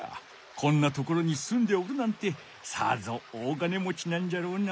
こんなところにすんでおるなんてさぞ大金もちなんじゃろうな。